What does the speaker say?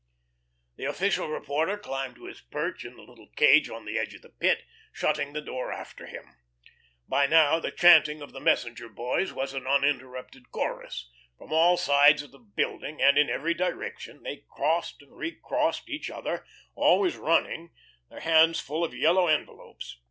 The official reporter climbed to his perch in the little cage on the edge of the Pit, shutting the door after him. By now the chanting of the messenger boys was an uninterrupted chorus. From all sides of the building, and in every direction they crossed and recrossed each other, always running, their hands full of yellow envelopes.